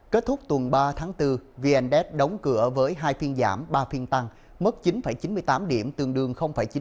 kết thúc tuần ba tháng bốn v s đóng cửa với hai phiên giảm ba phiên tăng mất chín chín mươi tám điểm tương đương chín mươi năm